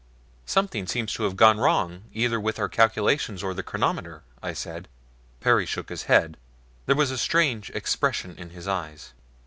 "Something seems to have gone wrong either with our calculations or the chronometer," I said. Perry shook his head there was a strange expression in his eyes.